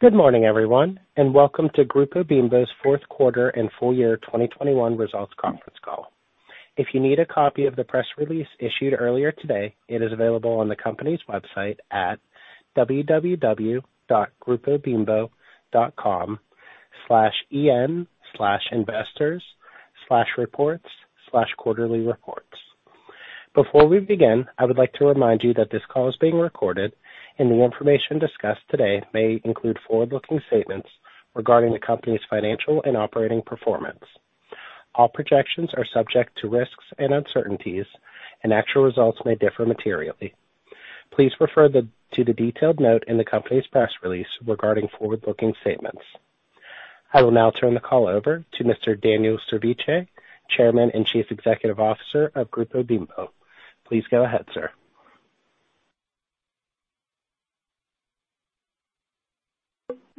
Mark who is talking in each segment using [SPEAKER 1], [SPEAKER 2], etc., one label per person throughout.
[SPEAKER 1] Good morning, everyone, and welcome to Grupo Bimbo's fourth quarter and full year 2021 results conference call. If you need a copy of the press release issued earlier today, it is available on the company's website at www.grupobimbo.com/en/investors/reports/quarterlyreports. Before we begin, I would like to remind you that this call is being recorded, and the information discussed today may include forward-looking statements regarding the company's financial and operating performance. All projections are subject to risks and uncertainties, and actual results may differ materially. Please refer to the detailed note in the company's press release regarding forward-looking statements. I will now turn the call over to Mr. Daniel Servitje, Chairman and Chief Executive Officer of Grupo Bimbo. Please go ahead, sir.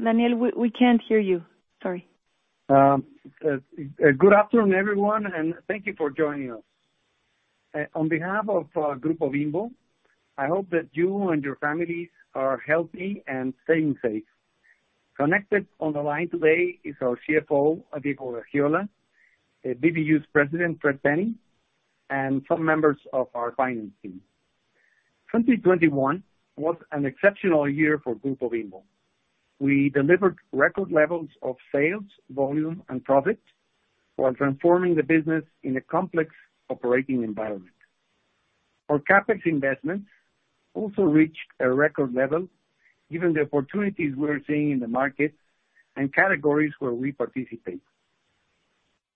[SPEAKER 1] Daniel, we can't hear you. Sorry.
[SPEAKER 2] Good afternoon, everyone, and thank you for joining us. On behalf of Grupo Bimbo, I hope that you and your families are healthy and staying safe. Connected on the line today is our CFO, Diego Gaxiola, BBUS President, Fred Penny, and some members of our finance team. 2021 was an exceptional year for Grupo Bimbo. We delivered record levels of sales, volume and profit while transforming the business in a complex operating environment. Our CapEx investments also reached a record level given the opportunities we're seeing in the market and categories where we participate.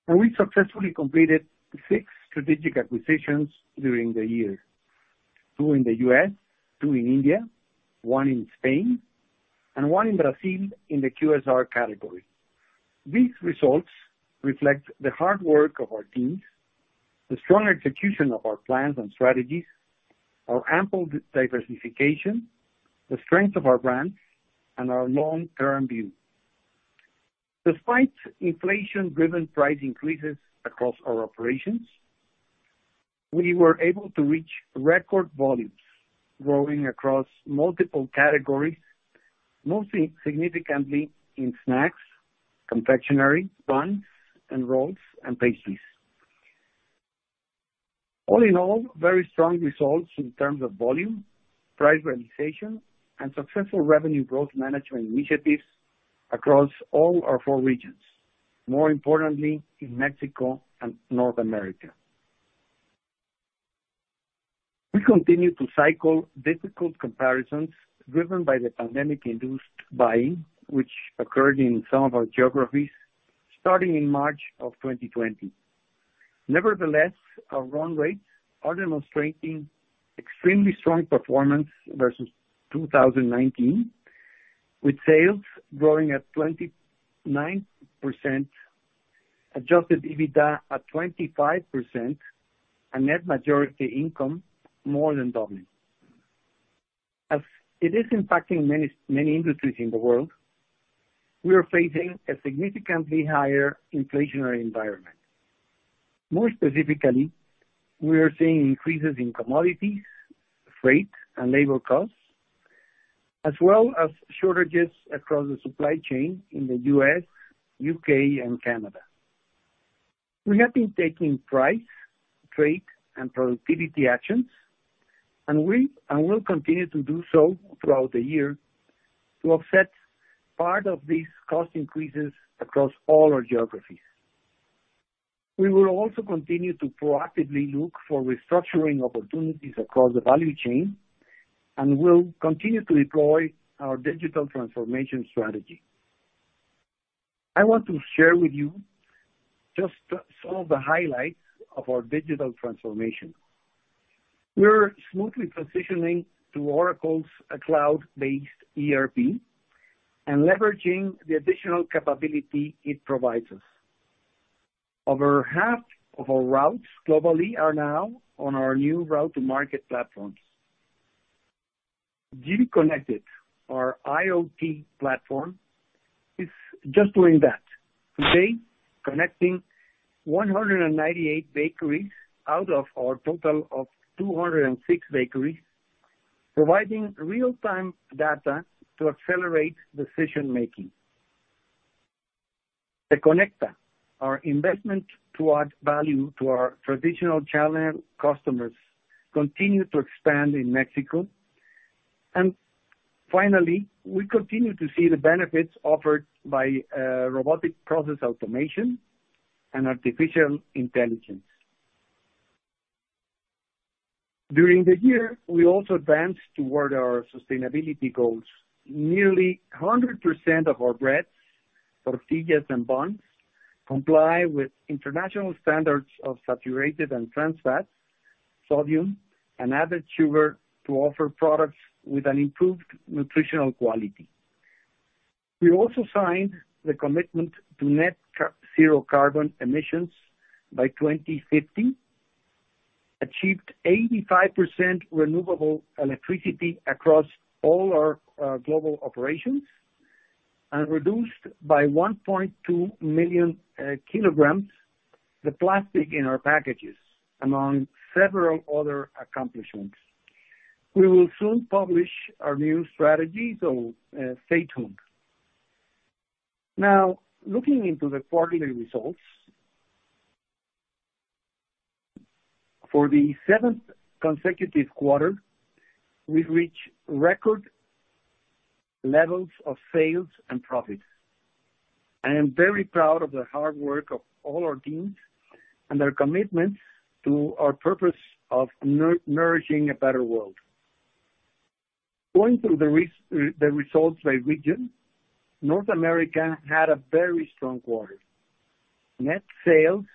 [SPEAKER 2] We successfully completed six strategic acquisitions during the year, two in the U.S., two in India, one in Spain, and one in Brazil in the QSR category. These results reflect the hard work of our teams, the strong execution of our plans and strategies, our ample diversification, the strength of our brands, and our long-term view. Despite inflation-driven price increases across our operations, we were able to reach record volumes growing across multiple categories, most significantly in snacks, confectionery, buns and rolls, and pastries. All in all, very strong results in terms of volume, price realization, and successful revenue growth management initiatives across all our four regions, more importantly in Mexico and North America. We continue to cycle difficult comparisons driven by the pandemic-induced buying which occurred in some of our geographies starting in March 2020. Nevertheless, our run rates are demonstrating extremely strong performance versus 2019, with sales growing at 29%, Adjusted EBITDA at 25%, and net majority income more than doubling. As it is impacting many industries in the world, we are facing a significantly higher inflationary environment. More specifically, we are seeing increases in commodities, freight, and labor costs, as well as shortages across the supply chain in the U.S., U.K., and Canada. We have been taking price, trade, and productivity actions, and will continue to do so throughout the year to offset part of these cost increases across all our geographies. We will also continue to proactively look for restructuring opportunities across the value chain and will continue to deploy our digital transformation strategy. I want to share with you just some of the highlights of our digital transformation. We're smoothly transitioning to Oracle's cloud-based ERP and leveraging the additional capability it provides us. Over half of our routes globally are now on our new route to market platforms. GB Connected, our IoT platform, is just doing that. Today, connecting 198 bakeries out of our total of 206 bakeries, providing real-time data to accelerate decision-making. Te Conecta, our investment to add value to our traditional channel customers, continue to expand in Mexico. Finally, we continue to see the benefits offered by robotic process automation and artificial intelligence. During the year, we also advanced toward our sustainability goals. Nearly 100% of our breads, tortillas, and buns comply with international standards of saturated and trans fats, sodium, and added sugar to offer products with an improved nutritional quality. We also signed the commitment to net zero carbon emissions by 2050, achieved 85% renewable electricity across all our global operations and reduced by 1.2 million kg the plastic in our packages, among several other accomplishments. We will soon publish our new strategy, so, stay tuned. Now, looking into the quarterly results. For the seventh consecutive quarter, we've reached record levels of sales and profits. I am very proud of the hard work of all our teams and their commitment to our purpose of nurturing a better world. Going through the results by region, North America had a very strong quarter. Net sales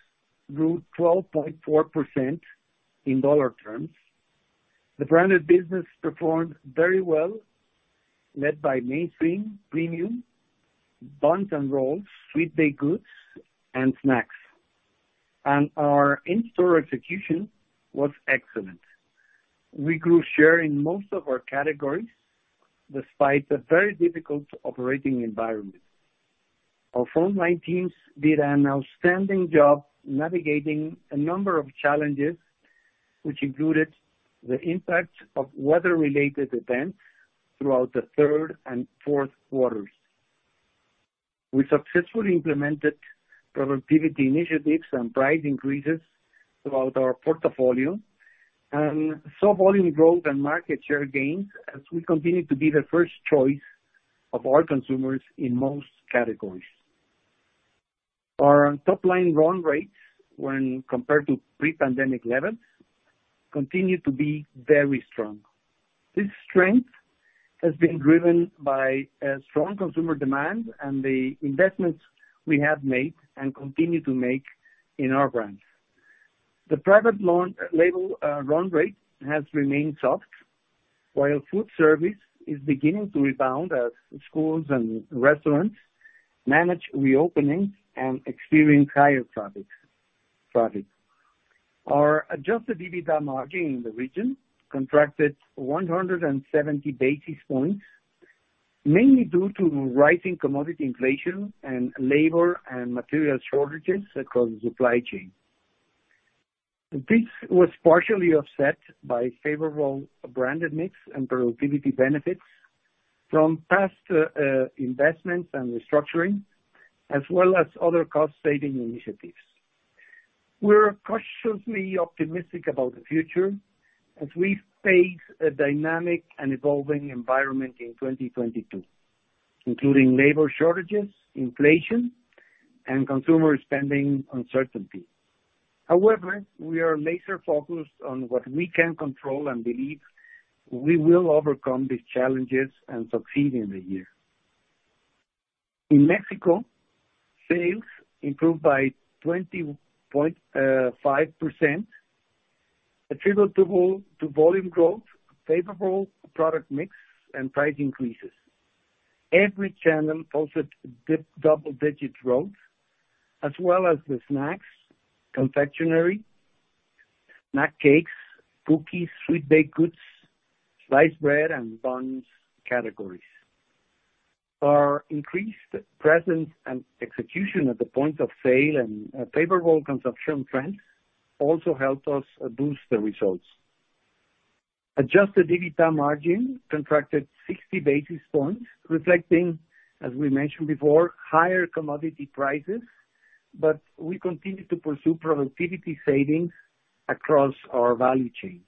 [SPEAKER 2] grew 12.4% in dollar terms. The branded business performed very well, led by mainstream premium buns and rolls, sweet baked goods and snacks. Our in-store execution was excellent. We grew share in most of our categories despite a very difficult operating environment. Our front line teams did an outstanding job navigating a number of challenges, which included the impact of weather related events throughout the third and fourth quarters. We successfully implemented productivity initiatives and price increases throughout our portfolio and saw volume growth and market share gains as we continue to be the first choice of our consumers in most categories. Our top line run rates when compared to pre-pandemic levels continue to be very strong. This strength has been driven by strong consumer demand and the investments we have made and continue to make in our brands. The private label run rate has remained soft, while food service is beginning to rebound as schools and restaurants manage reopening and experience higher traffic. Our Adjusted EBITDA margin in the region contracted 170 basis points, mainly due to rising commodity inflation and labor and material shortages across the supply chain. This was partially offset by favorable branded mix and productivity benefits from past investments and restructuring, as well as other cost saving initiatives. We're cautiously optimistic about the future as we face a dynamic and evolving environment in 2022, including labor shortages, inflation, and consumer spending uncertainty. However, we are laser focused on what we can control and believe we will overcome these challenges and succeed in the year. In Mexico, sales improved by 20.5%, attributable to volume growth, favorable product mix and price increases. Every channel posted double digit growth as well as the snacks, confectionery, snack cakes, cookies, sweet baked goods, sliced bread and buns categories. Our increased presence and execution at the point of sale and favorable consumption trends also helped us boost the results. Adjusted EBITDA margin contracted 60 basis points, reflecting, as we mentioned before, higher commodity prices, but we continue to pursue productivity savings across our value chain.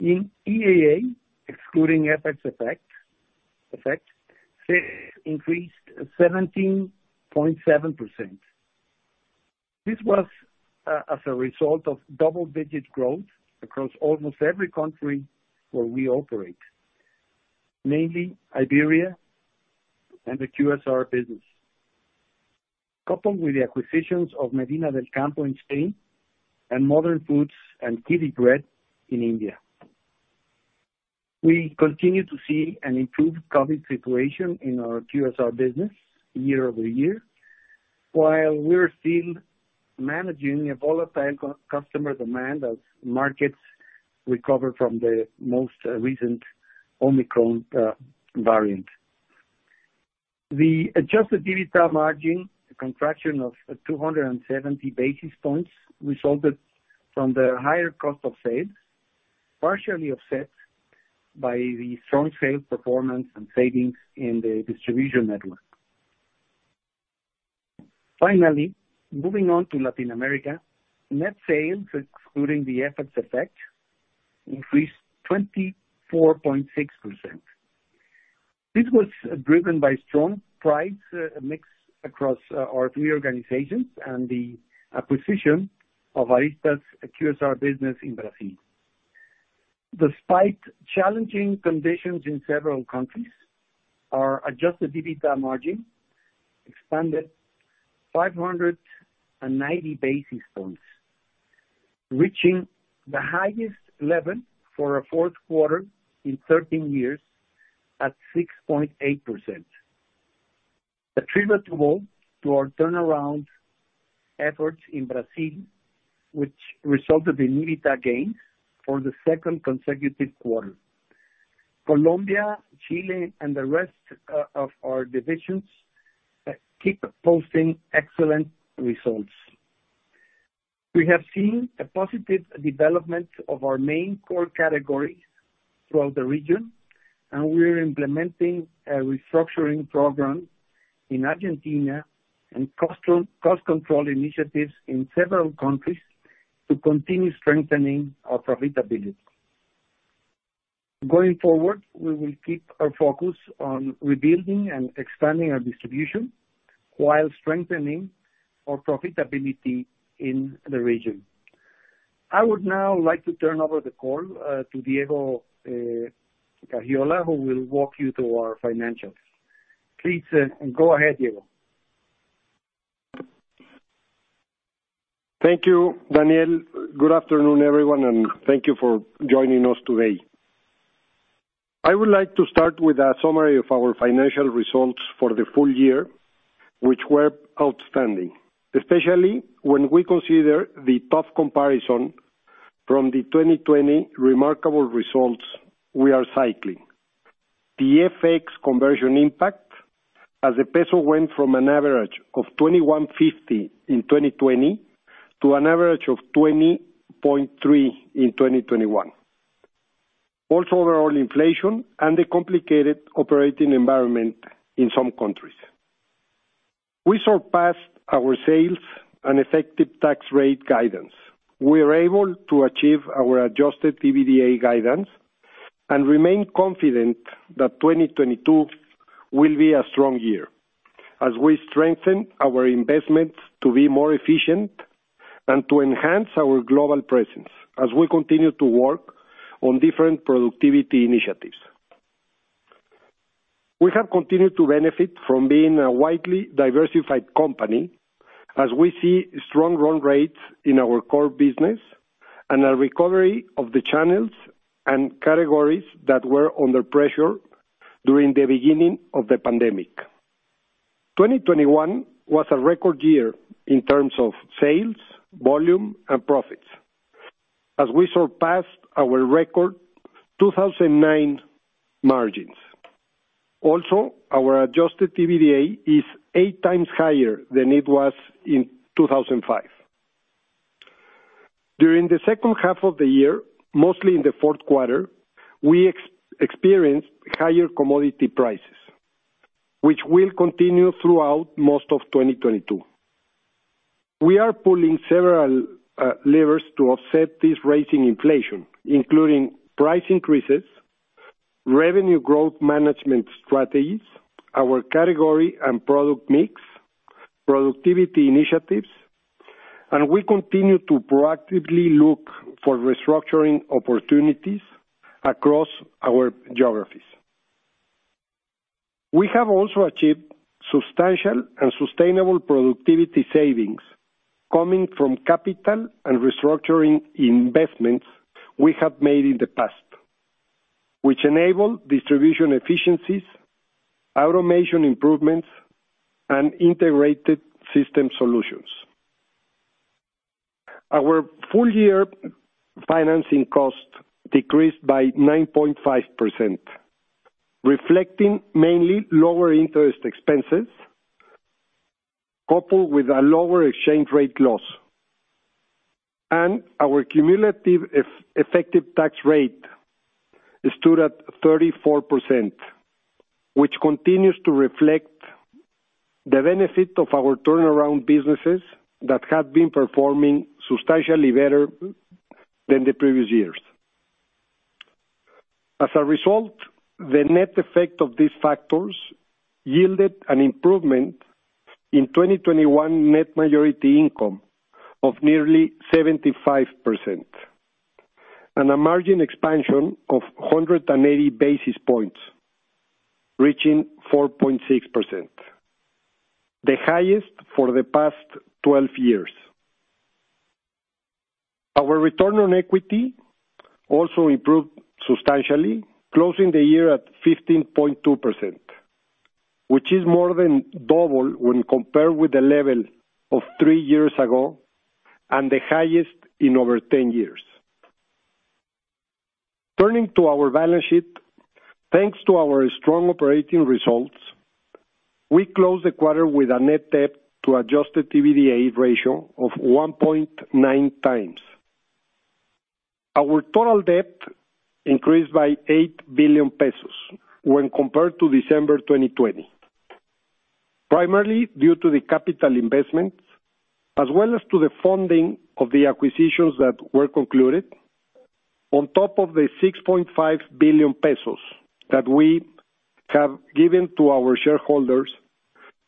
[SPEAKER 2] In EAA, excluding FX effects, sales increased 17.7%. This was as a result of double-digit growth across almost every country where we operate, mainly Iberia and the QSR business, coupled with the acquisitions of Medina del Campo in Spain and Modern Foods and Kitty Bread in India. We continue to see an improved COVID situation in our QSR business year-over-year, while we're still managing a volatile customer demand as markets recover from the most recent Omicron variant. The adjusted EBITDA margin contraction of 270 basis points resulted from the higher cost of sales, partially offset by the strong sales performance and savings in the distribution network. Finally, moving on to Latin America. Net sales, excluding the FX effect, increased 24.6%. This was driven by strong price mix across our three organizations and the acquisition of Aryzta's QSR business in Brazil. Despite challenging conditions in several countries, our adjusted EBITDA margin expanded 590 basis points, reaching the highest level for a fourth quarter in 13 years at 6.8%. Attributable to our turnaround efforts in Brazil, which resulted in EBITDA gains for the second consecutive quarter. Colombia, Chile, and the rest of our divisions keep posting excellent results. We have seen a positive development of our main core categories throughout the region, and we are implementing a restructuring program in Argentina and cost control initiatives in several countries to continue strengthening our profitability. Going forward, we will keep our focus on rebuilding and expanding our distribution while strengthening our profitability in the region. I would now like to turn over the call to Diego Gaxiola, who will walk you through our financials. Please, go ahead, Diego.
[SPEAKER 3] Thank you, Daniel. Good afternoon, everyone, and thank you for joining us today. I would like to start with a summary of our financial results for the full year, which were outstanding, especially when we consider the tough comparison from the 2020 remarkable results we are cycling, the FX conversion impact as the peso went from an average of 21.50 in 2020 to an average of 20.3 in 2021, also overall inflation and the complicated operating environment in some countries. We surpassed our sales and effective tax rate guidance. We are able to achieve our adjusted EBITDA guidance and remain confident that 2022 will be a strong year as we strengthen our investments to be more efficient and to enhance our global presence as we continue to work on different productivity initiatives. We have continued to benefit from being a widely diversified company as we see strong run rates in our core business and a recovery of the channels and categories that were under pressure during the beginning of the pandemic. 2021 was a record year in terms of sales, volume, and profits as we surpassed our record 2009 margins. Also, our adjusted EBITDA is 8 times higher than it was in 2005. During the second half of the year, mostly in the fourth quarter, we experienced higher commodity prices, which will continue throughout most of 2022. We are pulling several levers to offset this rise in inflation, including price increases, revenue growth management strategies, our category and product mix, productivity initiatives, and we continue to proactively look for restructuring opportunities across our geographies. We have also achieved substantial and sustainable productivity savings coming from capital and restructuring investments we have made in the past, which enable distribution efficiencies, automation improvements, and integrated system solutions. Our full year financing cost decreased by 9.5%, reflecting mainly lower interest expenses, coupled with a lower exchange rate loss. Our cumulative effective tax rate stood at 34%, which continues to reflect the benefit of our turnaround businesses that have been performing substantially better than the previous years. As a result, the net effect of these factors yielded an improvement in 2021 net majority income of nearly 75% and a margin expansion of 180 basis points, reaching 4.6%, the highest for the past 12 years. Our return on equity also improved substantially, closing the year at 15.2%, which is more than double when compared with the level of three years ago and the highest in over 10 years. Turning to our balance sheet, thanks to our strong operating results, we closed the quarter with a net debt to adjusted EBITDA ratio of 1.9x. Our total debt increased by 8 billion pesos when compared to December 2020, primarily due to the capital investments as well as to the funding of the acquisitions that were concluded on top of the 6.5 billion pesos that we have given to our shareholders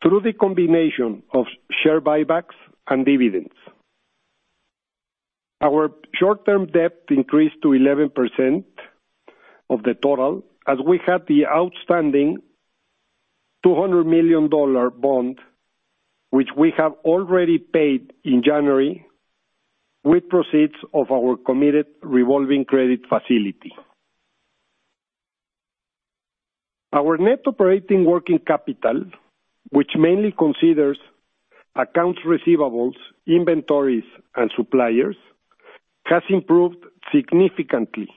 [SPEAKER 3] through the combination of share buybacks and dividends. Our short-term debt increased to 11% of the total as we had the outstanding $200 million bond, which we have already paid in January with proceeds of our committed revolving credit facility. Our net operating working capital, which mainly considers accounts receivables, inventories, and suppliers, has improved significantly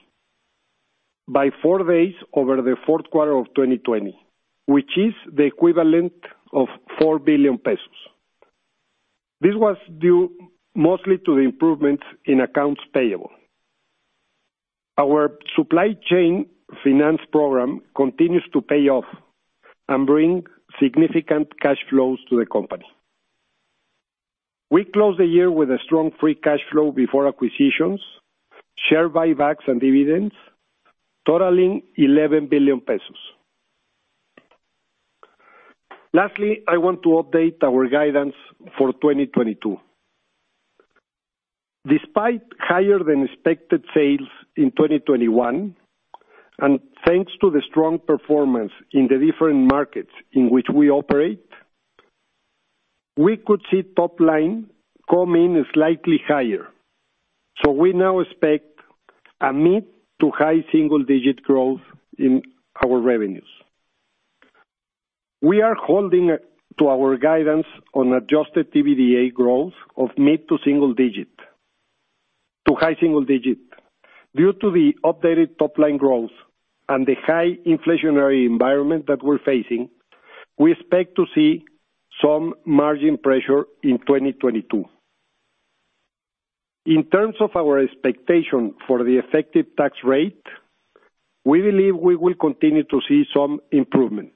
[SPEAKER 3] by four days over the fourth quarter of 2020, which is the equivalent of 4 billion pesos. This was due mostly to the improvement in accounts payable. Our supply chain finance program continues to pay off and bring significant cash flows to the company. We closed the year with a strong free cash flow before acquisitions, share buybacks, and dividends totaling MXN 11 billion. Lastly, I want to update our guidance for 2022. Despite higher than expected sales in 2021, and thanks to the strong performance in the different markets in which we operate, we could see top line come in slightly higher. We now expect a mid- to high-single-digit growth in our revenues. We are holding to our guidance on adjusted EBITDA growth of mid- to high-single-digit. Due to the updated top line growth and the high inflationary environment that we're facing, we expect to see some margin pressure in 2022. In terms of our expectation for the effective tax rate, we believe we will continue to see some improvement,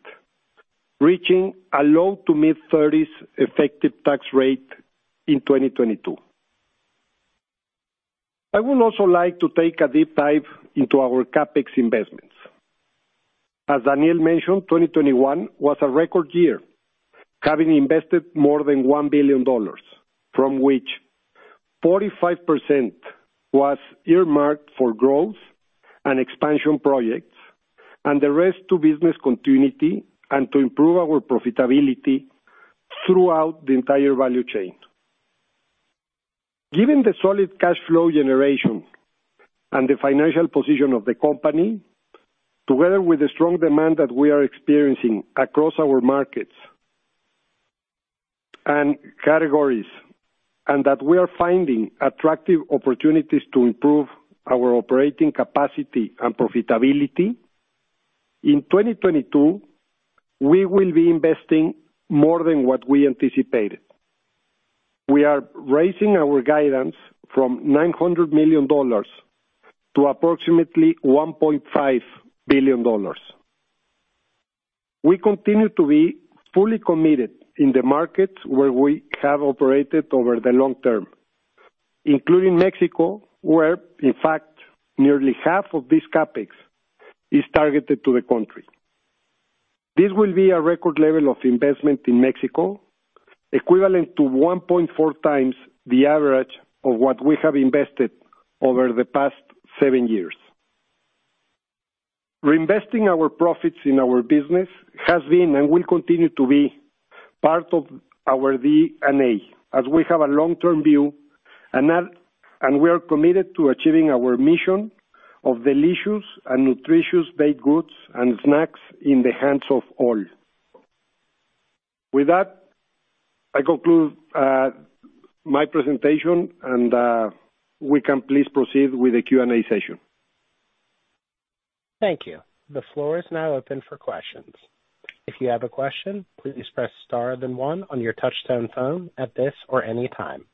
[SPEAKER 3] reaching a low- to mid-30s effective tax rate in 2022. I would also like to take a deep dive into our CapEx investments. As Daniel mentioned, 2021 was a record year, having invested more than $1 billion, from which 45% was earmarked for growth and expansion projects, and the rest to business continuity and to improve our profitability throughout the entire value chain. Given the solid cash flow generation and the financial position of the company, together with the strong demand that we are experiencing across our markets and categories, and that we are finding attractive opportunities to improve our operating capacity and profitability, in 2022, we will be investing more than what we anticipated. We are raising our guidance from $900 million to approximately $1.5 billion. We continue to be fully committed in the markets where we have operated over the long term, including Mexico, where in fact nearly half of this CapEx is targeted to the country. This will be a record level of investment in Mexico, equivalent to 1.4 times the average of what we have invested over the past seven years. Reinvesting our profits in our business has been, and will continue to be, part of our DNA as we have a long-term view and we are committed to achieving our mission of delicious and nutritious baked goods and snacks in the hands of all. With that, I conclude my presentation and we can please proceed with the Q&A session.
[SPEAKER 1] Thank you. The floor is now open for questions. If you have a question, please press star then one on your touch tone phone at this or any time.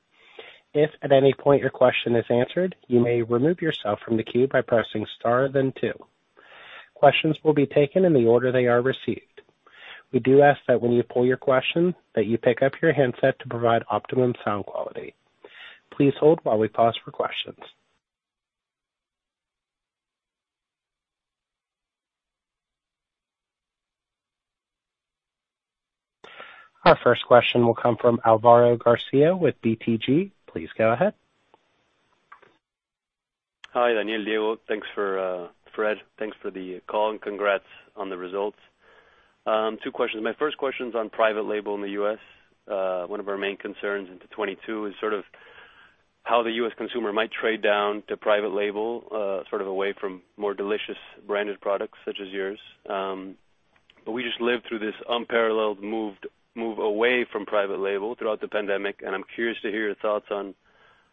[SPEAKER 1] If at any point your question is answered, you may remove yourself from the queue by pressing star then two. Questions will be taken in the order they are received. We do ask that when you ask your question that you pick up your handset to provide optimum sound quality. Please hold while we pause for questions. Our first question will come from Alvaro Garcia with BTG. Please go ahead.
[SPEAKER 4] Hi, Daniel, Diego. Thanks, Fred, thanks for the call and congrats on the results. Two questions. My first question is on private label in the U.S. One of our main concerns into 2022 is sort of how the U.S. consumer might trade down to private label, sort of away from more delicious branded products such as yours. We just lived through this unparalleled move away from private label throughout the pandemic, and I'm curious to hear your thoughts on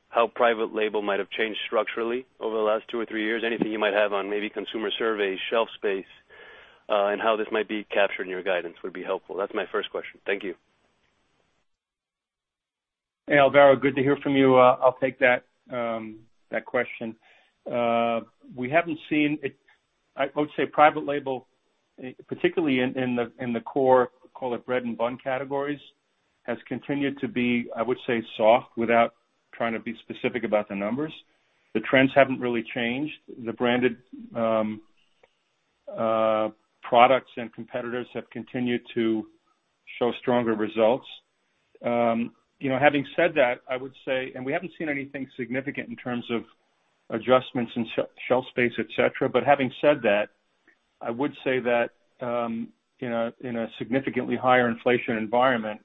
[SPEAKER 4] how private label might have changed structurally over the last two or three years. Anything you might have on maybe consumer surveys, shelf space, and how this might be captured in your guidance would be helpful. That's my first question. Thank you.
[SPEAKER 5] Hey, Alvaro, good to hear from you. I'll take that question. We haven't seen it. I would say private label, particularly in the core, call it bread and bun categories, has continued to be, I would say, soft without trying to be specific about the numbers. The trends haven't really changed. The branded products and competitors have continued to show stronger results. You know, having said that, I would say we haven't seen anything significant in terms of adjustments in shelf space, et cetera. Having said that, I would say that, in a significantly higher inflation environment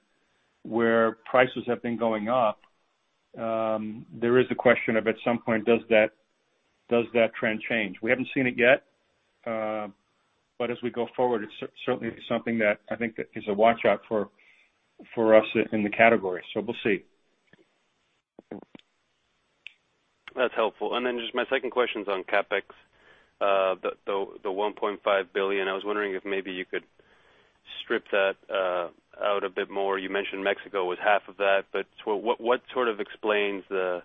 [SPEAKER 5] where prices have been going up, there is a question of, at some point, does that trend change? We haven't seen it yet, but as we go forward, it's certainly something that, I think, that is a watch-out for us in the category. We'll see.
[SPEAKER 4] That's helpful. Just my second question's on CapEx. The 1.5 billion, I was wondering if maybe you could strip that out a bit more. You mentioned Mexico was half of that, but what sort of explains the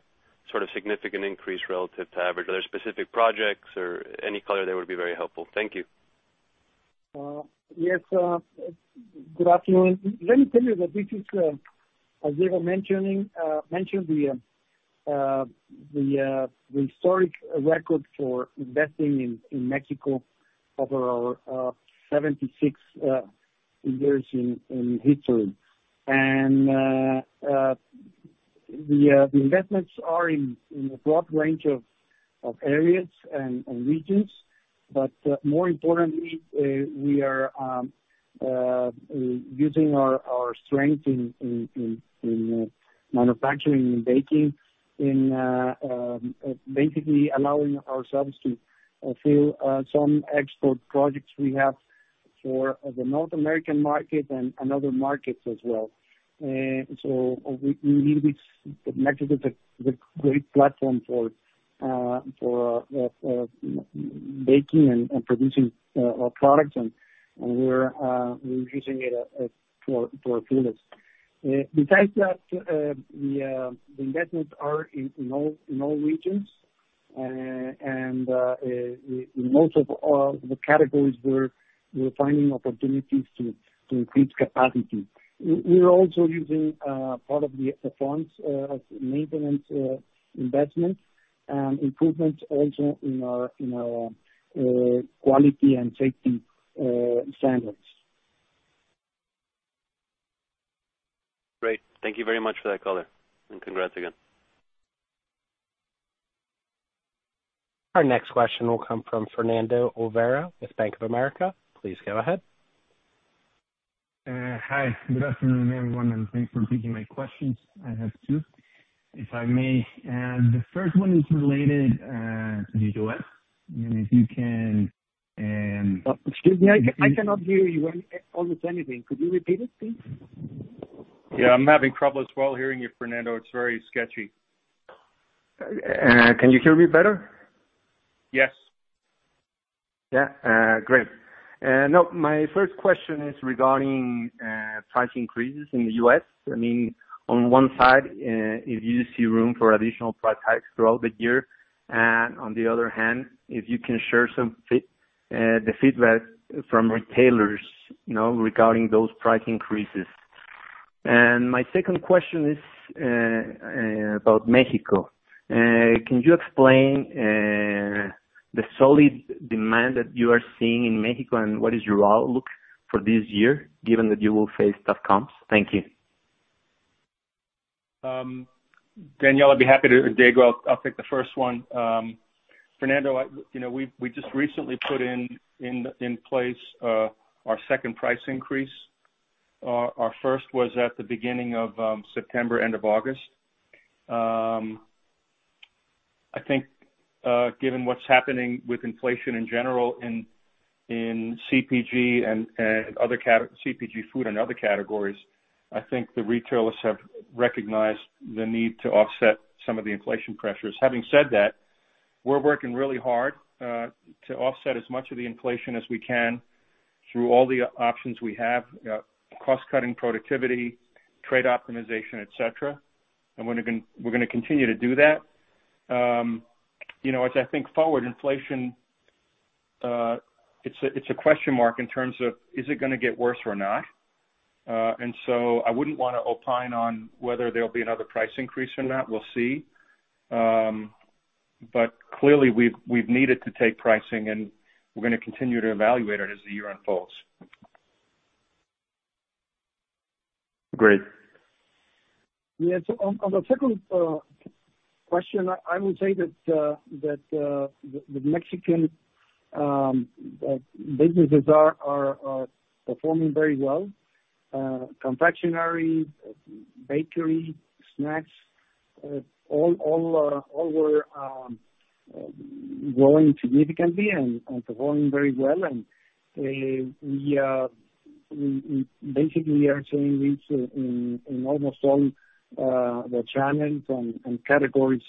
[SPEAKER 4] sort of significant increase relative to average? Are there specific projects or any color? That would be very helpful. Thank you.
[SPEAKER 2] Yes. Good afternoon. Let me tell you that this is, as Diego mentioned, the historic record for investing in Mexico over 76 years in history. The investments are in a broad range of areas and regions. More importantly, we are using our strength in manufacturing and baking, basically allowing ourselves to fill some export projects we have for the North American market and other markets as well. We believe Mexico is a great platform for baking and producing our products and we're using it for a few years. Besides that, the investments are in all regions. In most of all the categories, we're finding opportunities to increase capacity. We're also using part of the funds as maintenance investment and improvements also in our quality and safety standards.
[SPEAKER 4] Great. Thank you very much for that color, and congrats again.
[SPEAKER 1] Our next question will come from Fernando Olvera with Bank of America. Please go ahead.
[SPEAKER 6] Hi. Good afternoon, everyone, and thanks for taking my questions. I have two, if I may. The first one is related to the U.S. If you can,
[SPEAKER 2] Excuse me, I cannot hear you. Could you repeat it, please?
[SPEAKER 5] Yeah, I'm having trouble as well hearing you, Fernando. It's very sketchy.
[SPEAKER 6] Can you hear me better?
[SPEAKER 5] Yes.
[SPEAKER 6] Yeah. Great. No, my first question is regarding price increases in the U.S. I mean, on one side, if you see room for additional price hikes throughout the year. On the other hand, if you can share some feedback from retailers, you know, regarding those price increases. My second question is about Mexico. Can you explain the solid demand that you are seeing in Mexico, and what is your outlook for this year, given that you will face tough comps? Thank you.
[SPEAKER 5] Daniel, I'd be happy to. Diego, I'll take the first one. Fernando, you know, we just recently put in place our second price increase. Our first was at the beginning of September, end of August. I think given what's happening with inflation in general in CPG and other categories, I think the retailers have recognized the need to offset some of the inflation pressures. Having said that, we're working really hard to offset as much of the inflation as we can through all the options we have, cost-cutting, productivity, trade optimization, et cetera. We're gonna continue to do that. You know, as I think forward inflation, it's a question mark in terms of is it gonna get worse or not. I wouldn't wanna opine on whether there'll be another price increase or not. We'll see. Clearly we've needed to take pricing, and we're gonna continue to evaluate it as the year unfolds.
[SPEAKER 6] Great.
[SPEAKER 2] On the second question, I would say that the Mexican businesses are performing very well. Confectionery, bakery, snacks all were growing significantly and performing very well. We basically are seeing this in almost all the channels and categories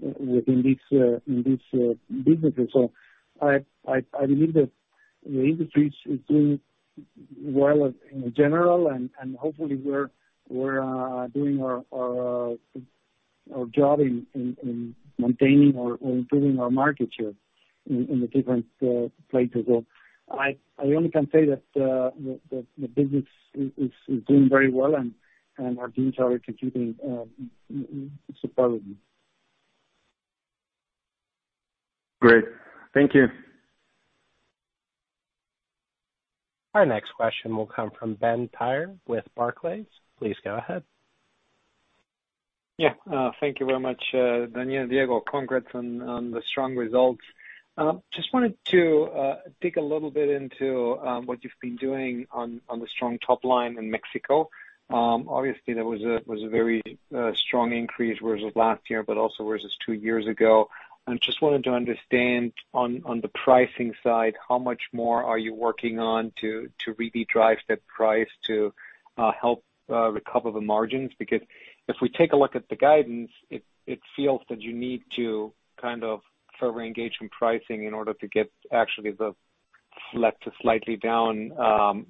[SPEAKER 2] within these businesses. I believe that the industry is doing well in general and hopefully we're doing our job in maintaining or improving our market share in the different places. I only can say that the business is doing very well, and our teams are executing superbly.
[SPEAKER 6] Great. Thank you.
[SPEAKER 1] Our next question will come from Ben Theurer with Barclays. Please go ahead.
[SPEAKER 7] Yeah. Thank you very much, Daniel and Diego. Congrats on the strong results. Just wanted to dig a little bit into what you've been doing on the strong top line in Mexico. Obviously there was a very strong increase versus last year, but also versus two years ago. I just wanted to understand on the pricing side, how much more are you working on to really drive that price to help recover the margins? Because if we take a look at the guidance, it feels that you need to kind of further engage in pricing in order to get actually the slightly down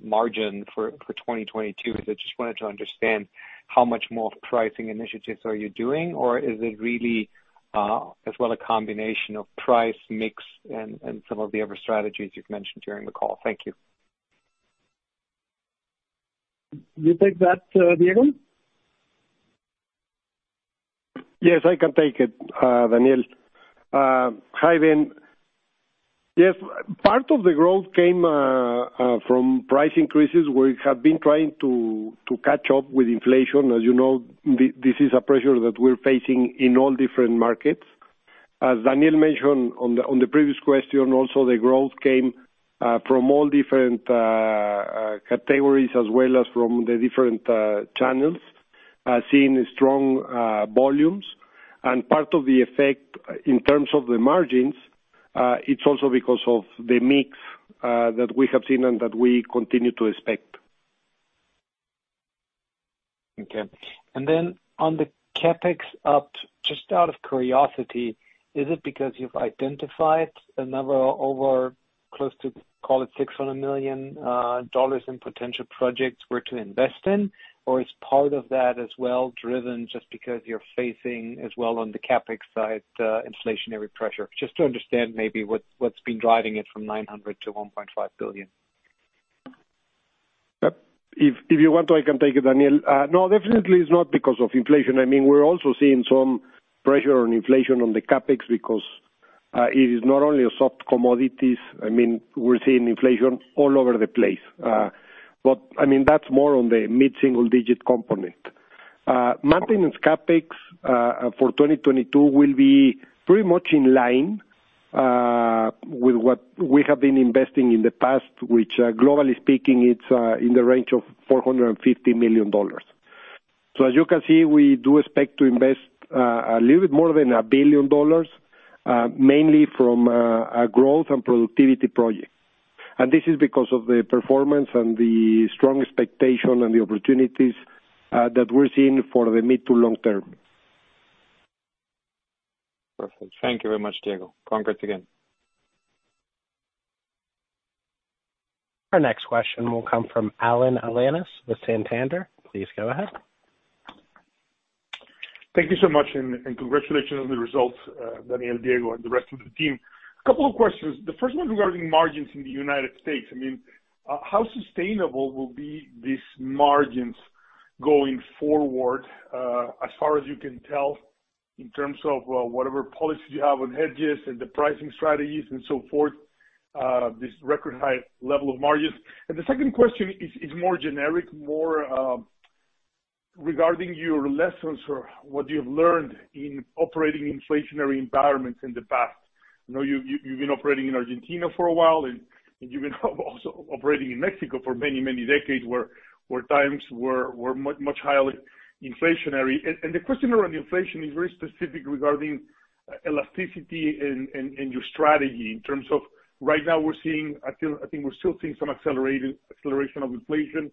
[SPEAKER 7] margin for 2022. I just wanted to understand how much more pricing initiatives are you doing? Or is it really as well a combination of price mix and some of the other strategies you've mentioned during the call? Thank you.
[SPEAKER 2] You take that, Diego?
[SPEAKER 3] Yes, I can take it, Daniel. Hi Ben. Yes, part of the growth came from price increases. We have been trying to catch up with inflation. As you know, this is a pressure that we're facing in all different markets. As Daniel mentioned on the previous question also, the growth came from all different categories as well as from the different channels seeing strong volumes. Part of the effect in terms of the margins, it's also because of the mix that we have seen and that we continue to expect.
[SPEAKER 7] Okay. On the CapEx up, just out of curiosity, is it because you've identified a number over close to call it $600 million in potential projects where to invest in? Or is part of that as well driven just because you're facing as well on the CapEx side, inflationary pressure? Just to understand maybe what's been driving it from $900 million to $1.5 billion.
[SPEAKER 3] Yep. If you want, I can take it, Daniel. No, definitely it's not because of inflation. I mean, we're also seeing some pressure on inflation on the CapEx because it is not only a soft commodities. I mean, we're seeing inflation all over the place. I mean, that's more on the mid-single digit component. Maintenance CapEx for 2022 will be pretty much in line with what we have been investing in the past, which globally speaking, it's in the range of $450 million. As you can see, we do expect to invest a little bit more than $1 billion, mainly from a growth and productivity project. This is because of the performance and the strong expectation and the opportunities that we're seeing for the mid to long term.
[SPEAKER 7] Perfect. Thank you very much, Diego. Congrats again.
[SPEAKER 1] Our next question will come from Alan Alanis with Santander. Please go ahead.
[SPEAKER 8] Thank you so much, and congratulations on the results, Daniel, Diego, and the rest of the team. A couple of questions. The first one regarding margins in the United States. I mean, how sustainable will be these margins going forward, as far as you can tell, in terms of whatever policies you have on hedges and the pricing strategies and so forth, this record high level of margins? The second question is more generic, more regarding your lessons or what you have learned in operating inflationary environments in the past. I know you've been operating in Argentina for a while, and you've been also operating in Mexico for many, many decades, where times were much highly inflationary. The question around inflation is very specific regarding elasticity and your strategy in terms of right now we're seeing, I think, we're still seeing some acceleration of inflation.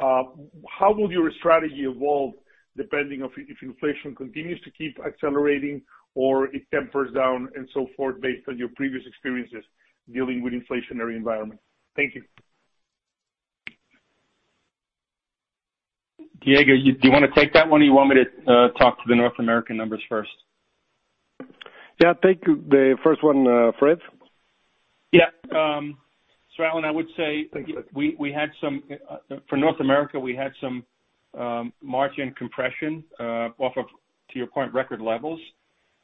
[SPEAKER 8] How will your strategy evolve depending if inflation continues to keep accelerating or it tempers down and so forth based on your previous experiences dealing with inflationary environment? Thank you.
[SPEAKER 5] Diego, do you wanna take that one or you want me to talk to the North American numbers first?
[SPEAKER 3] Yeah, take the first one, Fred.
[SPEAKER 5] Yeah. Alan, I would say.
[SPEAKER 8] Thank you.
[SPEAKER 5] For North America, we had some margin compression off of, to your point, record levels.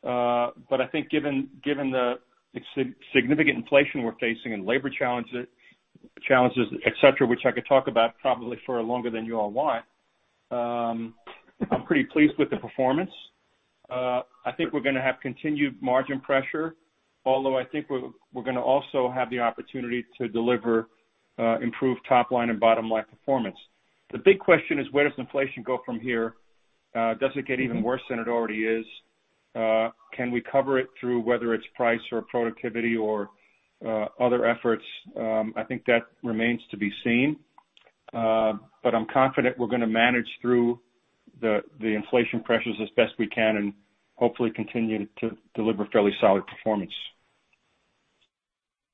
[SPEAKER 5] I think given the significant inflation we're facing and labor challenges, et cetera, which I could talk about probably for longer than you all want, I'm pretty pleased with the performance. I think we're gonna have continued margin pressure, although I think we're gonna also have the opportunity to deliver improved top line and bottom line performance. The big question is where does inflation go from here? Does it get even worse than it already is? Can we cover it through whether it's price or productivity or other efforts? I think that remains to be seen. I'm confident we're gonna manage through the inflation pressures as best we can and hopefully continue to deliver fairly solid performance.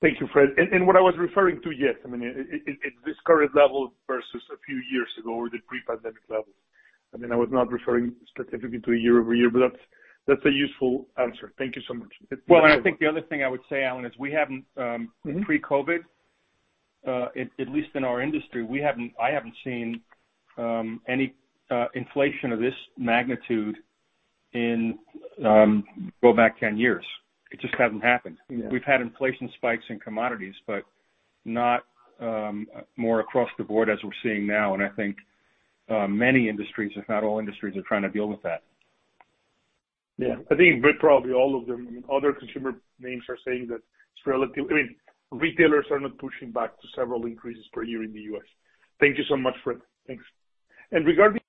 [SPEAKER 8] Thank you, Fred. What I was referring to, yes, I mean, it's this current level versus a few years ago or the pre-pandemic levels. I mean, I was not referring specifically to a year-over-year, but that's a useful answer. Thank you so much.
[SPEAKER 5] Well, I think the other thing I would say, Alan, is we haven't.
[SPEAKER 8] Mm-hmm.
[SPEAKER 5] In pre-COVID, at least in our industry, I haven't seen any inflation of this magnitude, go back 10 years. It just hasn't happened.
[SPEAKER 8] Yeah.
[SPEAKER 5] We've had inflation spikes in commodities, but not more across the board as we're seeing now. I think many industries, if not all industries, are trying to deal with that.
[SPEAKER 8] Yeah, I think probably all of them. Other consumer names are saying that it's relative. I mean, retailers are not pushing back to several increases per year in the U.S. Thank you so much, Fred. Thanks. Regarding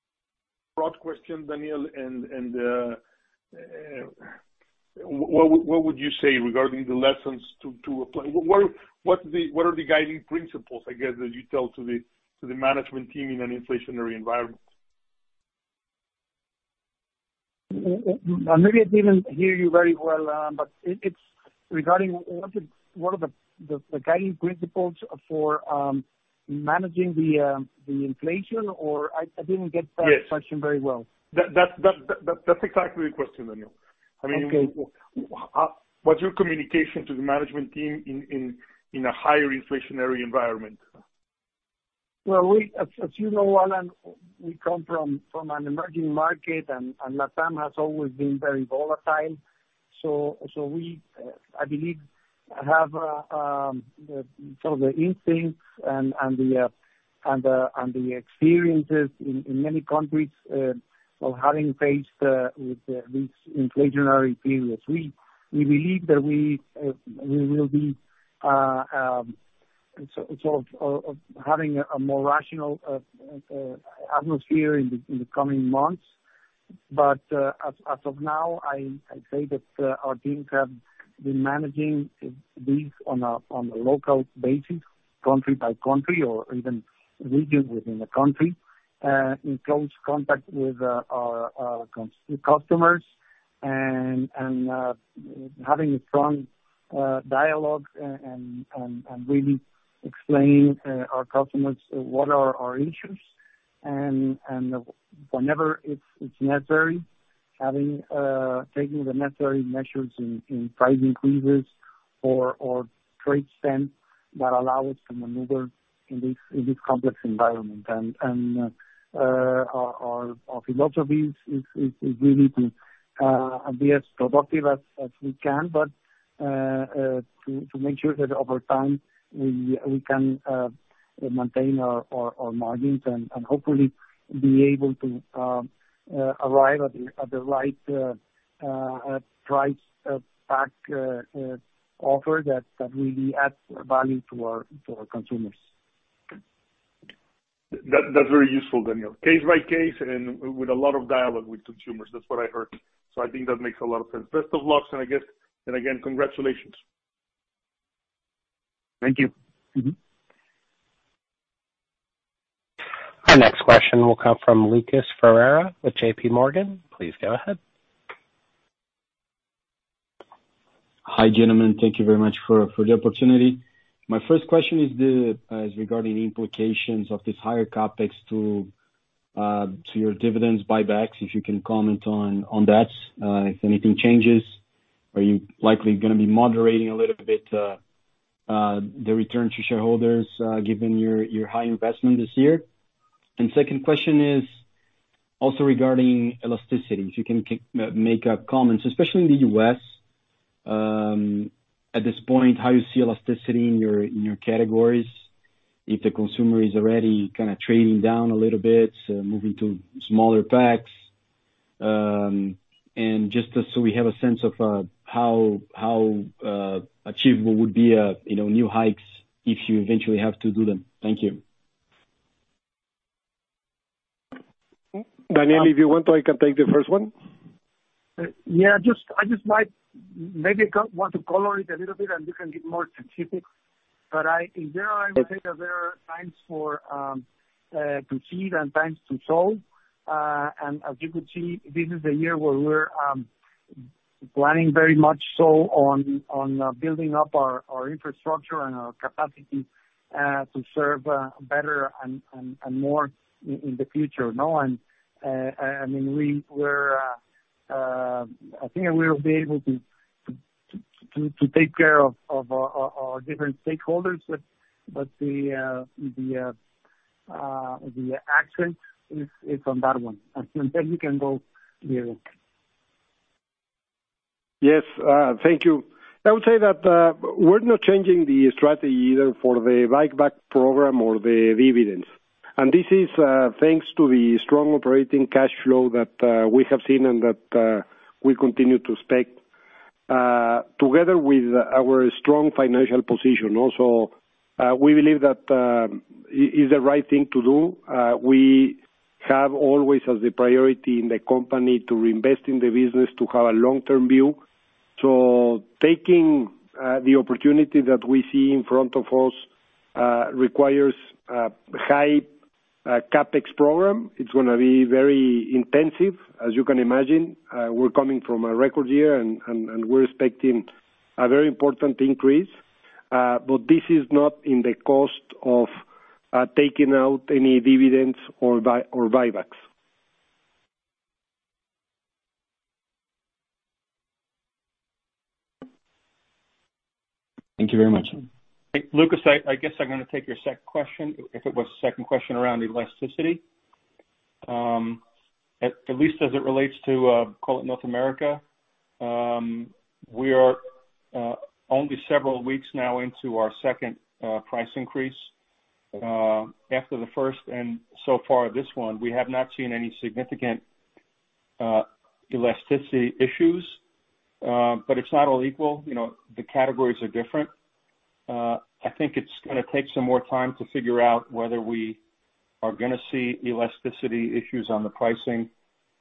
[SPEAKER 8] broad question, Daniel, what would you say regarding the lessons to apply? What are the guiding principles, I guess, that you tell to the management team in an inflationary environment?
[SPEAKER 2] Maybe I didn't hear you very well, but it's regarding what are the guiding principles for managing the inflation, or I didn't get that.
[SPEAKER 8] Yes.
[SPEAKER 2] Question very well.
[SPEAKER 8] That's exactly the question, Daniel. I mean
[SPEAKER 2] Okay.
[SPEAKER 8] What's your communication to the management team in a higher inflationary environment?
[SPEAKER 2] Well, as you know, Alan, we come from an emerging market and Latin has always been very volatile. We, I believe, have sort of the instincts and the experiences in many countries of having faced with these inflationary periods. We believe that we will be sort of having a more rational atmosphere in the coming months. As of now, I'd say that our teams have been managing this on a local basis, country by country or even region within the country, in close contact with our customers and having a strong dialogue and really explaining our customers what are our interests. Whenever it's necessary, taking the necessary measures in price increases or trade spend that allow us to maneuver in this complex environment. Our philosophy is really to be as productive as we can, but to make sure that over time we can maintain our margins and hopefully be able to arrive at the right price pack offer that really adds value to our consumers.
[SPEAKER 8] That's very useful, Daniel. Case by case and with a lot of dialogue with consumers, that's what I heard. I think that makes a lot of sense. Best of luck, and I guess. Again, congratulations.
[SPEAKER 2] Thank you. Mm-hmm.
[SPEAKER 1] Our next question will come from Lucas Ferreira with JPMorgan. Please go ahead.
[SPEAKER 9] Hi, gentlemen. Thank you very much for the opportunity. My first question is regarding the implications of this higher CapEx to your dividends buybacks, if you can comment on that. If anything changes, are you likely gonna be moderating a little bit the return to shareholders given your high investment this year? Second question is also regarding elasticity, if you can make a comment, especially in the U.S., at this point, how you see elasticity in your categories, if the consumer is already kinda trading down a little bit, moving to smaller packs. And just so we have a sense of how achievable would be you know new hikes if you eventually have to do them. Thank you.
[SPEAKER 3] Daniel, if you want, I can take the first one.
[SPEAKER 2] Yeah, I just might maybe want to color it a little bit, and you can get more specific. I, in general, would say that there are times to seed and times to sow. As you could see, this is the year where we're planning very much so on building up our infrastructure and our capacity to serve better and more in the future, you know. I mean, I think we'll be able to take care of our different stakeholders, but the accent is on that one. You can go, Diego.
[SPEAKER 3] Yes. Thank you. I would say that we're not changing the strategy either for the buyback program or the dividends. This is thanks to the strong operating cash flow that we have seen and that we continue to expect. Together with our strong financial position also, we believe that is the right thing to do. We have always as a priority in the company to reinvest in the business, to have a long-term view. Taking the opportunity that we see in front of us requires a high CapEx program. It's gonna be very intensive, as you can imagine. We're coming from a record year and we're expecting a very important increase, but this is not at the cost of taking out any dividends or buybacks.
[SPEAKER 9] Thank you very much.
[SPEAKER 5] Lucas, I guess I'm gonna take your question, if it was second question around elasticity. At least as it relates to, call it North America, we are only several weeks now into our second price increase after the first and so far this one, we have not seen any significant elasticity issues, but it's not all equal. You know, the categories are different. I think it's gonna take some more time to figure out whether we are gonna see elasticity issues on the pricing.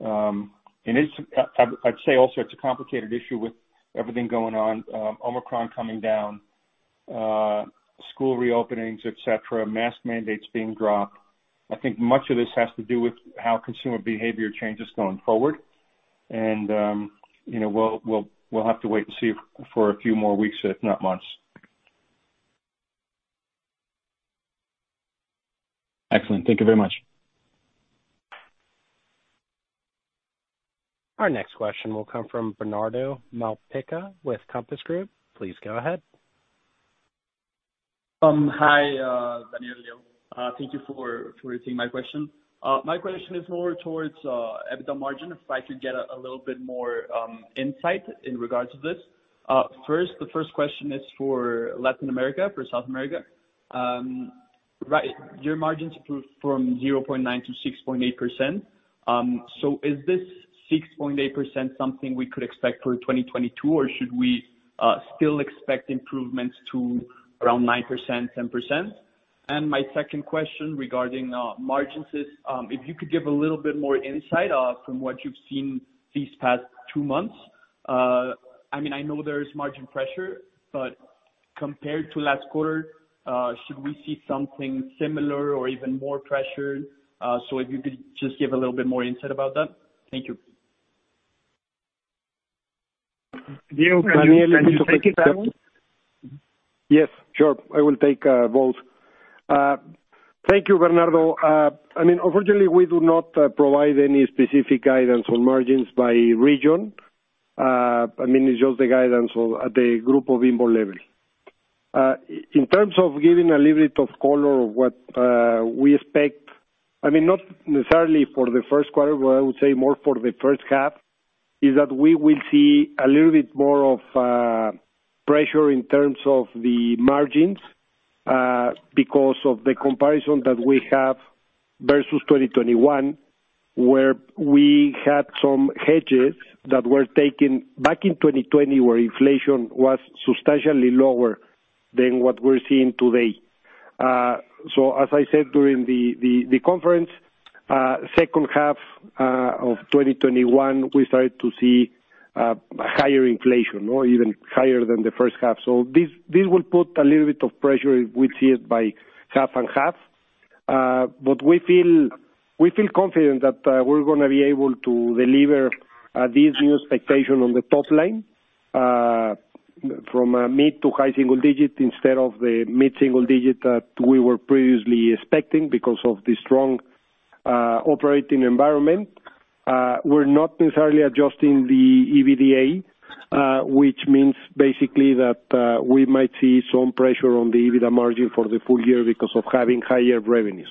[SPEAKER 5] I'd say also it's a complicated issue with everything going on, Omicron coming down, school reopenings, et cetera, mask mandates being dropped. I think much of this has to do with how consumer behavior changes going forward. You know, we'll have to wait and see for a few more weeks, if not months.
[SPEAKER 9] Excellent. Thank you very much.
[SPEAKER 1] Our next question will come from Bernardo Malpica with Compass Group. Please go ahead.
[SPEAKER 10] Hi, Daniel and Diego. Thank you for taking my question. My question is more towards EBITDA margin, if I could get a little bit more insight in regards to this. The first question is for Latin America, for South America. Right, your margins improved from 0.9%-6.8%. So is this 6.8% something we could expect for 2022, or should we still expect improvements to around 9%, 10%? My second question regarding margins is, if you could give a little bit more insight from what you've seen these past two months. I mean, I know there is margin pressure, but compared to last quarter, should we see something similar or even more pressure? If you could just give a little bit more insight about that. Thank you.
[SPEAKER 5] Diego, can you take it, Diego?
[SPEAKER 3] Yes, sure. I will take both. Thank you, Bernardo. I mean, unfortunately, we do not provide any specific guidance on margins by region. I mean, it's just the guidance of the group of operating leverage. In terms of giving a little bit of color of what we expect, I mean, not necessarily for the first quarter, but I would say more for the first half, is that we will see a little bit more of pressure in terms of the margins because of the comparison that we have versus 2021, where we had some hedges that were taken back in 2020, where inflation was substantially lower than what we're seeing today. As I said during the conference, second half of 2021, we started to see higher inflation or even higher than the first half. This will put a little bit of pressure if we see it by half and half. We feel confident that we're gonna be able to deliver this new expectation on the top line from a mid- to high-single-digit instead of the mid-single-digit that we were previously expecting because of the strong operating environment. We're not necessarily adjusting the EBITDA, which means basically that we might see some pressure on the EBITDA margin for the full year because of having higher revenues.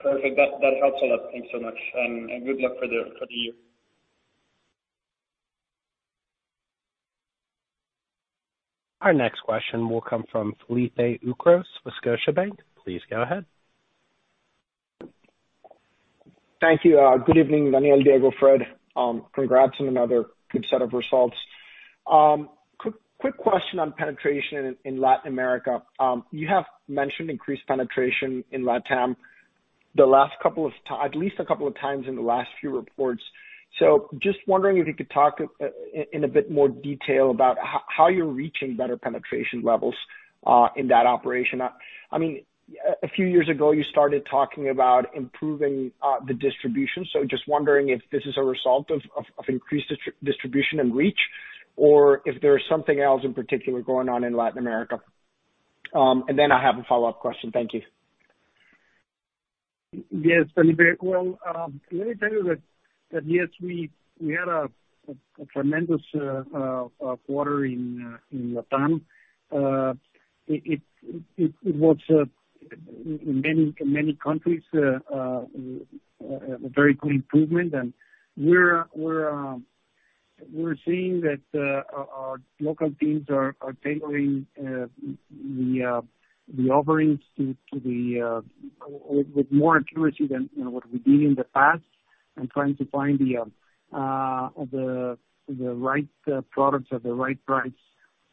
[SPEAKER 10] Perfect. That helps a lot. Thanks so much. Good luck for the year.
[SPEAKER 1] Our next question will come from Felipe Ucros with Scotiabank. Please go ahead.
[SPEAKER 11] Thank you. Good evening, Daniel, Diego, Fred. Congrats on another good set of results. Quick question on penetration in Latin America. You have mentioned increased penetration in LatAm at least a couple of times in the last few reports. Just wondering if you could talk in a bit more detail about how you're reaching better penetration levels in that operation. I mean, a few years ago, you started talking about improving the distribution. Just wondering if this is a result of increased distribution and reach, or if there is something else in particular going on in Latin America. And then I have a follow-up question. Thank you.
[SPEAKER 3] Yes, Felipe. Well, let me tell you that yes, we had a tremendous quarter in LatAm. It was in many countries a very good improvement. We're seeing that our local teams are tailoring the offerings to the with more accuracy than you know what we did in the past and trying to find the right products at the right price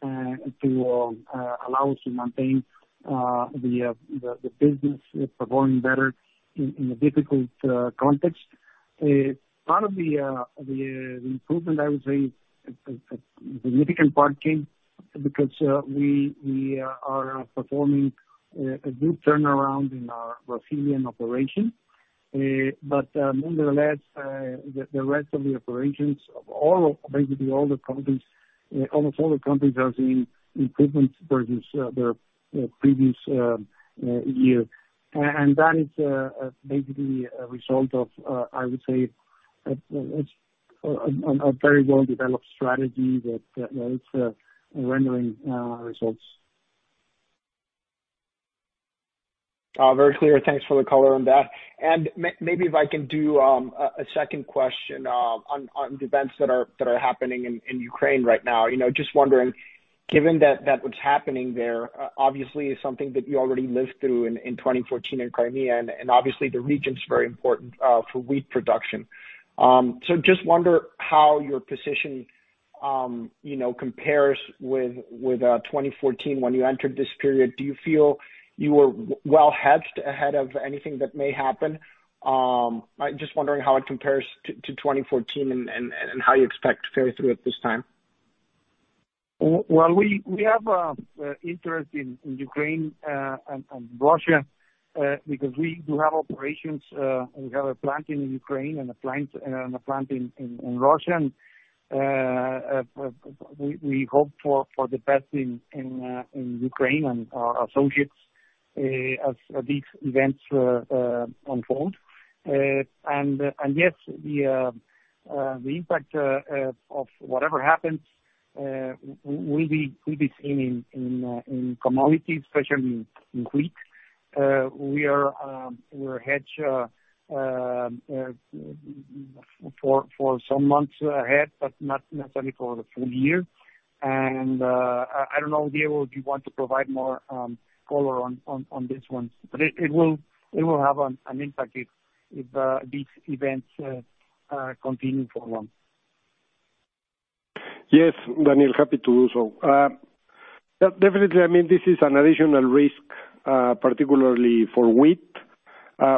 [SPEAKER 3] to allow us to maintain the business performing better in a difficult context. Part of the improvement, I would say a significant part came because we are performing a good turnaround in our Brazilian operation. nonetheless, the rest of the operations of basically all the countries, almost all the countries are seeing improvements versus the previous year. That is maybe the result of, I would say, it's- On a very well developed strategy that, you know, it's rendering results.
[SPEAKER 11] Very clear. Thanks for the color on that. Maybe if I can do a second question on the events that are happening in Ukraine right now. You know, just wondering, given that what's happening there obviously is something that you already lived through in 2014 in Crimea, and obviously the region's very important for wheat production. So just wonder how your position, you know, compares with 2014 when you entered this period. Do you feel you were well hedged ahead of anything that may happen? I'm just wondering how it compares to 2014 and how you expect to carry through at this time.
[SPEAKER 2] Well, we have interest in Ukraine and Russia because we do have operations. We have a plant in Ukraine and a plant in Russia. We hope for the best in Ukraine and our associates as these events unfold. Yes, the impact of whatever happens will be seen in commodities, especially in wheat. We are hedged for some months ahead, but not necessarily for the full year. I don't know, Diego, if you want to provide more color on this one. It will have an impact if these events continue for long.
[SPEAKER 3] Yes, Daniel, happy to do so. Yeah, definitely, I mean, this is an additional risk, particularly for wheat.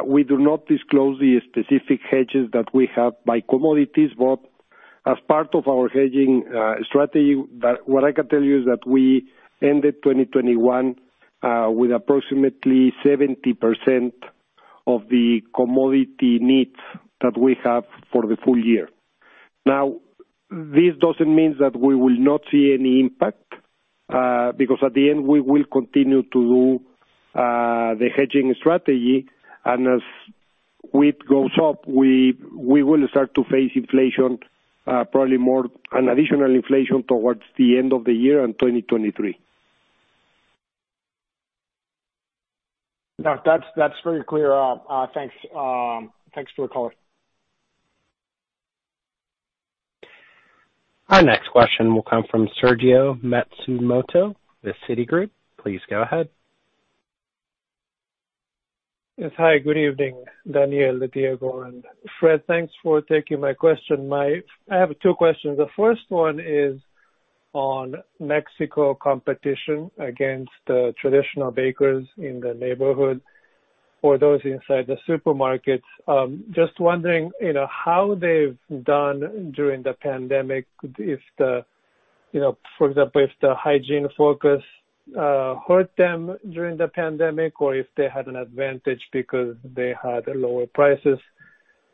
[SPEAKER 3] We do not disclose the specific hedges that we have by commodities, but as part of our hedging strategy, what I can tell you is that we ended 2021 with approximately 70% of the commodity needs that we have for the full year. Now, this doesn't mean that we will not see any impact, because at the end, we will continue to the hedging strategy, and as wheat goes up, we will start to face inflation, probably more an additional inflation towards the end of the year in 2023.
[SPEAKER 11] No, that's very clear. Thanks for your color.
[SPEAKER 1] Our next question will come from Sergio Matsumoto with Citigroup. Please go ahead.
[SPEAKER 12] Yes. Hi, good evening, Daniel, Diego, and Fred. Thanks for taking my question. I have two questions. The first one is on Mexico competition against traditional bakers in the neighborhood or those inside the supermarkets. Just wondering, you know, how they've done during the pandemic, if you know, for example, if the hygiene focus hurt them during the pandemic or if they had an advantage because they had lower prices.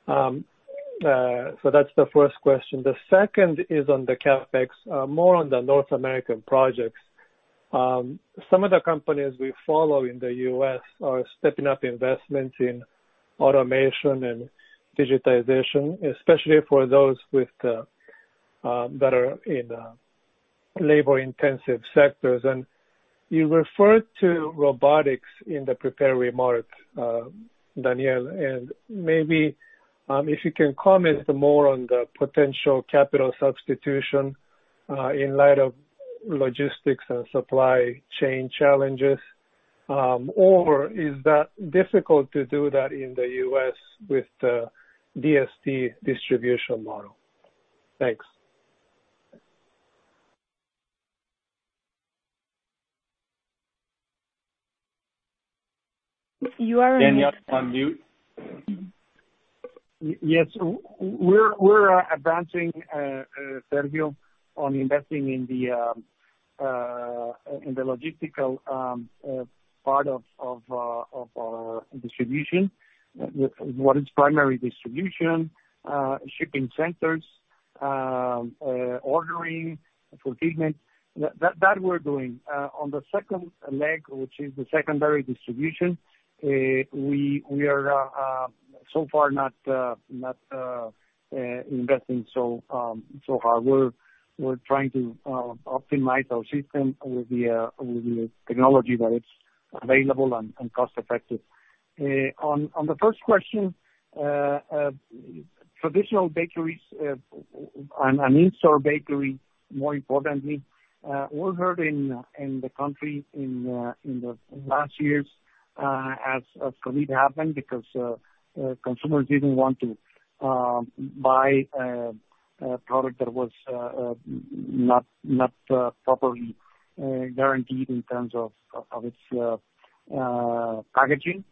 [SPEAKER 12] That's the first question. The second is on the CapEx, more on the North American projects. Some of the companies we follow in the U.S. are stepping up investments in automation and digitization, especially for those with the better in labor-intensive sectors. You referred to robotics in the prepared remarks, Daniel, and maybe if you can comment more on the potential capital substitution in light of logistics and supply chain challenges, or is that difficult to do that in the U.S. with the DSD distribution model? Thanks.
[SPEAKER 1] You are on mute.
[SPEAKER 3] Daniel, on mute.
[SPEAKER 2] Yes. We're advancing, Sergio, on investing in the logistical part of our distribution. What is primary distribution, shipping centers, ordering, fulfillment, that we're doing. On the second leg, which is the secondary distribution, we are so far not investing so hard. We're trying to optimize our system with the technology that's available and cost effective. On the first question, traditional bakeries and in-store bakery, more importantly, were hurt in the country in the last years, as COVID happened because consumers didn't want to buy a product that was not properly guaranteed in terms of its packaging.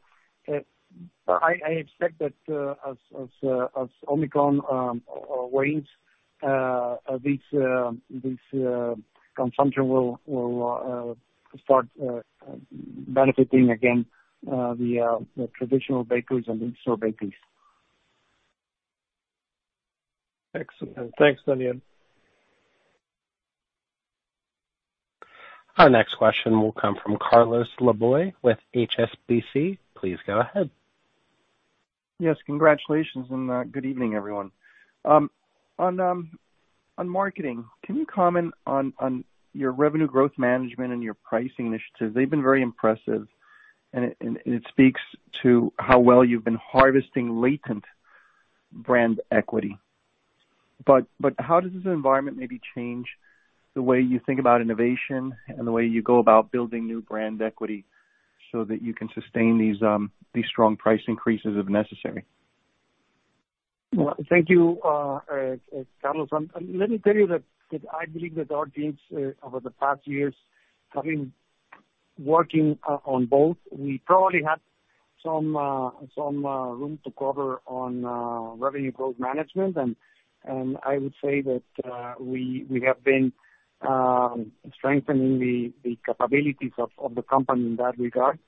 [SPEAKER 2] I expect that, as Omicron wanes, this consumption will start benefiting again the traditional bakeries and in-store bakeries.
[SPEAKER 12] Excellent. Thanks, Daniel.
[SPEAKER 1] Our next question will come from Carlos Laboy with HSBC. Please go ahead.
[SPEAKER 13] Yes, congratulations and good evening, everyone. On marketing, can you comment on your revenue growth management and your pricing initiatives? They've been very impressive and it speaks to how well you've been harvesting latent brand equity. How does this environment maybe change the way you think about innovation and the way you go about building new brand equity so that you can sustain these strong price increases if necessary?
[SPEAKER 2] Well, thank you, Carlos. Let me tell you that I believe that our teams over the past years have been working on both. We probably had some room to cover on revenue growth management. I would say that we have been strengthening the capabilities of the company in that regard.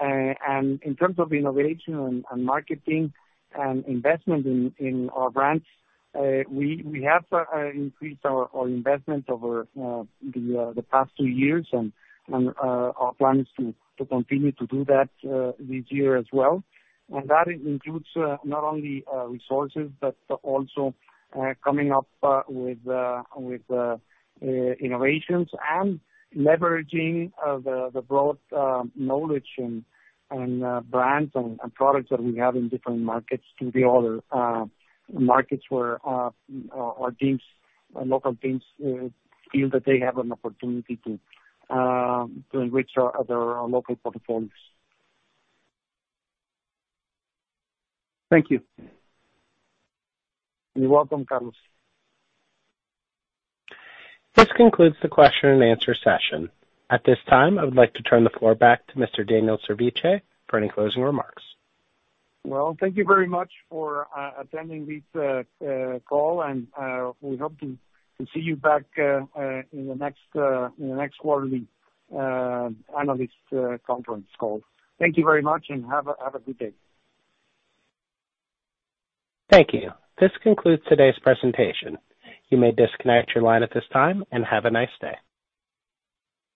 [SPEAKER 2] In terms of innovation and marketing and investment in our brands, we have increased our investment over the past two years, and our plan is to continue to do that this year as well. That includes not only resources, but also coming up with innovations and leveraging the broad knowledge and brands and products that we have in different markets to the other markets where our teams, our local teams, feel that they have an opportunity to enrich our other local portfolios.
[SPEAKER 13] Thank you.
[SPEAKER 2] You're welcome, Carlos.
[SPEAKER 1] This concludes the question and answer session. At this time, I would like to turn the floor back to Mr. Daniel Servitje for any closing remarks.
[SPEAKER 2] Well, thank you very much for attending this call, and we hope to see you back in the next quarterly analyst conference call. Thank you very much and have a good day.
[SPEAKER 1] Thank you. This concludes today's presentation. You may disconnect your line at this time and have a nice day.